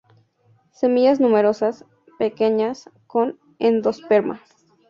Semillas numerosas, pequeñas; con endosperma.